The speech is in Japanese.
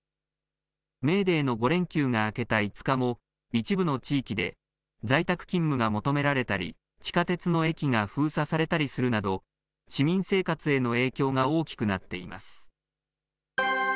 メーデーの５連休が明けた５日も一部の地域で在宅勤務が求められたり、地下鉄の駅が封鎖されたりするなど、市民生活への影響が大きくなっています。